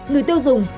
người tiêu dùng